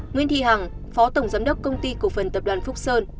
nguyễn thị hằng phó tổng giám đốc công ty cộng phân tập đoàn phúc sơn